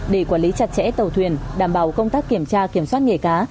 để quản lý chặt chẽ tàu thuyền đảm bảo công tác kiểm tra kiểm soát nghề cá